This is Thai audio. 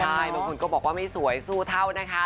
ใช่บางคนก็บอกว่าไม่สวยสู้เท่านะคะ